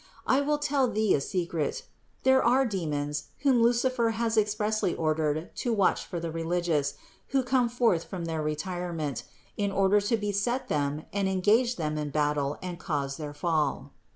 I will tell thee a secret: there are demons, whom Lucifer has expressly ordered to watch for the religious, who come forth from their retire ment, in order to beset them and engage them in battle and cause their fall.